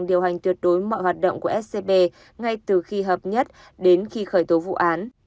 điều hành tuyệt đối mọi hoạt động của scb ngay từ khi hợp nhất đến khi khởi tố vụ án